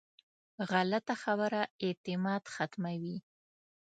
غلطه خبره اعتماد ختموي